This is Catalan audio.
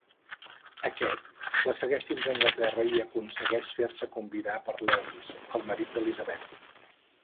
Aquest la segueix fins a Anglaterra i aconsegueix fer-se convidar per Lewis, el marit d'Elizabeth.